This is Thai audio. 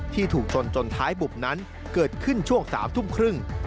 ที่ถูกชนจนท้ายบุบนั้นเกิดขึ้นช่วง๓ทุ่มครึ่ง